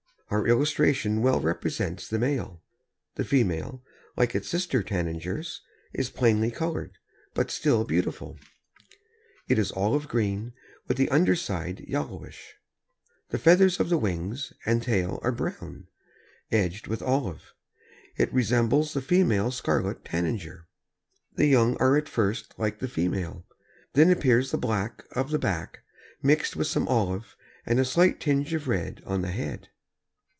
Our illustration well represents the male. The female, like its sister tanagers, is plainly colored, but still beautiful. It is olive green, with the underside yellowish. The feathers of the wings and tail are brown, edged with olive. It resembles the female Scarlet Tanager. The young are at first like the female. Then appears the black of the back, mixed with some olive and a slight tinge of red on the head.